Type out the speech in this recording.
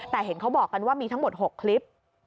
แต่เห็นเขาบอกกันว่ามีทั้งหมด๖คลิป